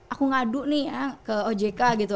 aku ngadu nih ya ke ojk gitu